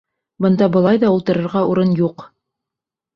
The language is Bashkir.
Бында былай ҙа ултырырға урын юҡ!